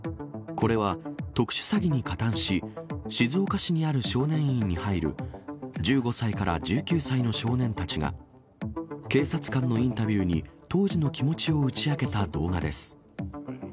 これは、特殊詐欺に加担し、静岡市にある少年院に入る１５歳から１９歳の少年たちが、警察官のインタビューに、当時の気持ちを打ち明けた動画です。